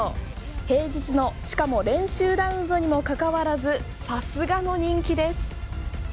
平日の、しかも練習ラウンドにも関わらずさすがの人気です。